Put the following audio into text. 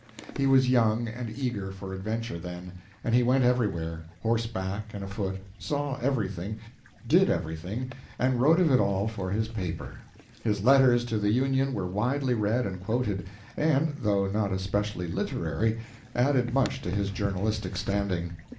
He was young and eager for adventure then, and he went everywhere horseback and afoot saw everything, did everything, and wrote of it all for his paper. His letters to the "Union" were widely read and quoted, and, though not especially literary, added much to his journalistic standing.